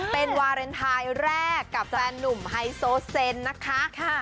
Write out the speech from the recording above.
เป็นวาเลนไทยแรกกับแฟนนุ่มไฮโซเซนนะคะ